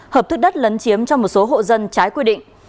hợp thức đất lấn chiếm cho một số hộ dân trái quy định